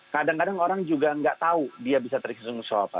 kadang kadang orang juga tidak tahu dia bisa tersinggung siapa